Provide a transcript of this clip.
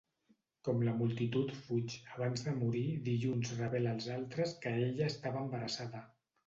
Com la multitud fuig, abans de morir Dilluns revela als altres que ella estava embarassada.